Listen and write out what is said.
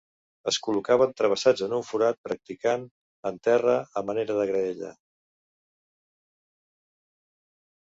Es col·locaven travessats en un forat practicat en terra a manera de graella.